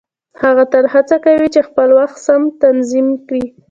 هغه تل هڅه کوي چې خپل وخت سم تنظيم کړي.